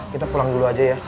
kita pulang dulu aja ya